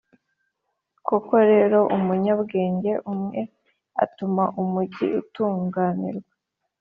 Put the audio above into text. Koko rero, umunyabwenge umwe atuma umugi utunganirwa,